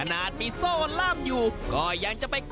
วิธีแบบไหนไปดูกันเล็ก